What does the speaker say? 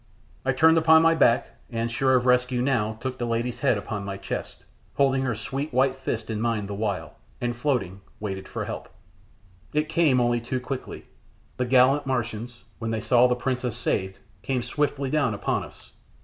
I turned upon my back, and, sure of rescue now, took the lady's head upon my chest, holding her sweet, white fists in mine the while, and, floating, waited for help. It came only too quickly. The gallant Martians, when they saw the princess saved, came swiftly down upon us.